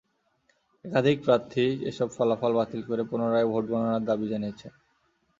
একাধিক প্রার্থী এসব ফলাফল বাতিল করে পুনরায় ভোট গণনার দাবি জানিয়েছেন।